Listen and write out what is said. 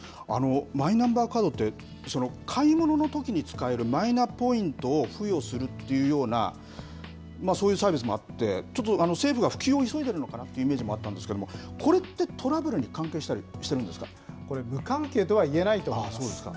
マイナンバーカードって、買い物のときに使えるマイナポイントを付与するっていうような、そういうサービスもあって、ちょっと政府が普及を急いでるのかなっていうイメージもあったんですけれども、これってトラブルに関係したこれ、無関係とは言えないと思います。